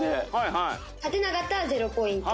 立てなかったら０ポイント。